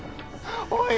おい